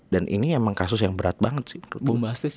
dan ini emang kasus yang berat banget sih